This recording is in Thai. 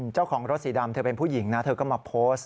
เจ้าของรถสีดำเธอเป็นผู้หญิงนะเธอก็มาโพสต์